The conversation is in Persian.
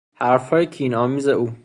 حرفهای کینآمیز او